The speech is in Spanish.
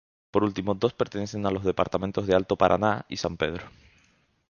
Por último, dos pertenecen a los departamentos de Alto Paraná y San Pedro.